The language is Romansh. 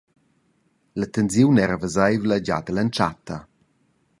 La tensiun era veseivla gia dall’entschatta.